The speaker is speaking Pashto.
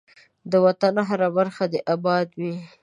ده وطن هره برخه دی اباده وی.